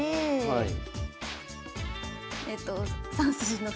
はい。